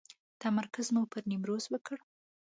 تمرکز مو پر نیمروز وکړ.